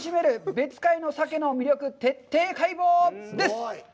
別海の鮭の魅力徹底解剖！」です。